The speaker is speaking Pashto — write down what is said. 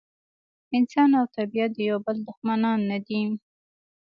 انسان او طبیعت د یو بل دښمنان نه دي.